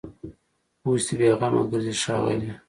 اوس دي بېغمه ګرځي ښاغلي